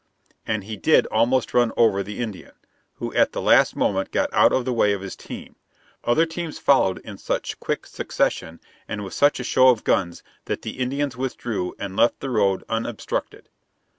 And he did almost run over the Indian, who at the last moment got out of the way of his team. Other teams followed in such quick succession and with such a show of guns that the Indians withdrew and left the road unobstructed.